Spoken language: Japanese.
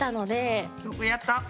よくやった！